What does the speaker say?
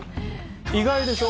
意外でしょ？